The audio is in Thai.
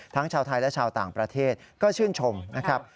ชาวไทยและชาวต่างประเทศก็ชื่นชมนะครับ